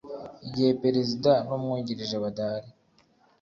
igihe perezida n umwungirije badahari